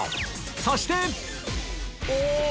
そしてお！